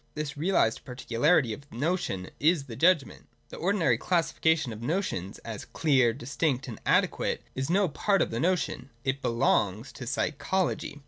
This realised particularity of the notion is the Judgment. The ordinary classification of notions, as clear, distinct and adequate, is no part of the notion ; it belongs to psychology.